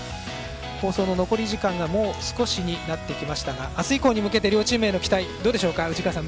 放送の残り時間がもう、少しになってきましたが明日以降に向けて両チームへの期待、藤川さん